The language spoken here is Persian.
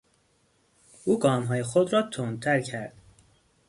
او گامهای خود را تندتر کرد.